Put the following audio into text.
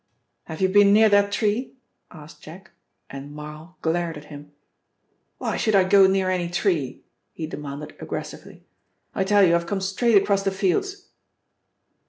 "Have you been near that tree?" asked Jack, and Marl glared at him. "Why should I go near any tree?" he demanded aggressively. "I tell you I've come straight across the fields."